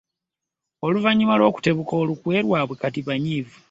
Oluvannyuma lw'okutebuka olukwe lwabwe kati banyiivu.